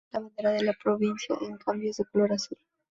La bandera de la provincia en cambio es de color azul